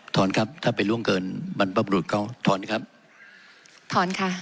ถอนครับถ้าไปล่วงเกินบรรพบรุษเขาถอนครับถอนค่ะ